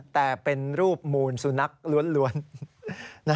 แต่เป็นรูปมูลสุนัขล้วน